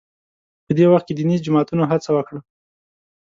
په دې وخت کې دیني جماعتونو هڅه وکړه